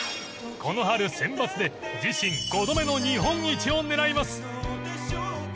この春センバツで自身５度目の日本一を狙います。